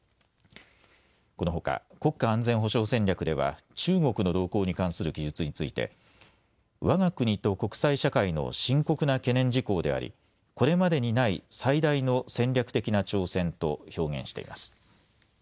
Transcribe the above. このほか国家安全保障戦略では中国の動向に関する記述についてわが国と国際社会の深刻な懸念事項であり、これまでにない最大の戦略的な挑戦と表現しています。